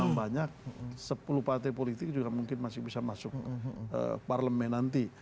yang banyak sepuluh partai politik juga mungkin masih bisa masuk parlemen nanti